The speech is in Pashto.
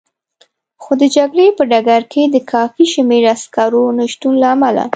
خو د جګړې په ډګر کې د کافي شمېر عسکرو نه شتون له امله.